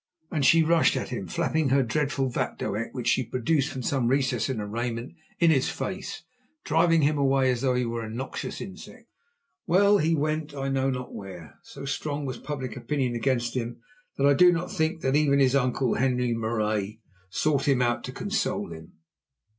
And she rushed at him, flapping her dreadful vatdoek—which she produced from some recess in her raiment—in his face, driving him away as though he were a noxious insect. Well, he went I know not where, and so strong was public opinion against him that I do not think that even his uncle, Henri Marais, sought him out to console him.